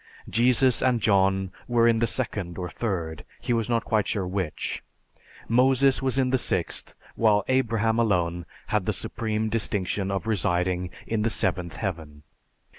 Jesus and John were in the second or third he was not quite sure which Moses was in the sixth, while Abraham alone had the supreme distinction of residing in the Seventh Heaven.